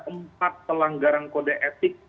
empat pelanggaran kode etik